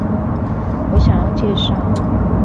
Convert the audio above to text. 我想要介紹